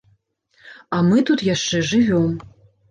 А мы тут яшчэ жывём.